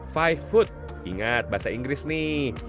five foot ingat bahasa inggris nih